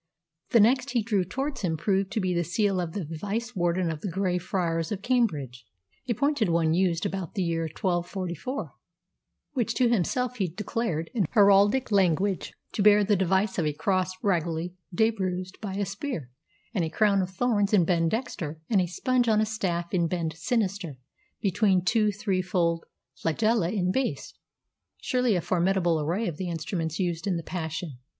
The next he drew towards him proved to be the seal of the Vice Warden of the Grey Friars of Cambridge, a pointed one used about the year 1244, which to himself he declared, in heraldic language, to bear the device of "a cross raguly debruised by a spear, and a crown of thorns in bend dexter, and a sponge on a staff in bend sinister, between two threefold flagella in base" surely a formidable array of the instruments used in the Passion.